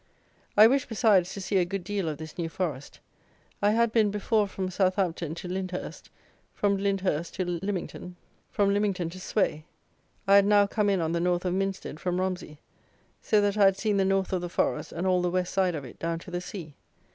I wished, besides, to see a good deal of this New Forest. I had been, before, from Southampton to Lyndhurst, from Lyndhurst to Lymington, from Lymington to Sway. I had now come in on the north of Minstead from Romsey, so that I had seen the north of the Forest and all the west side of it, down to the sea.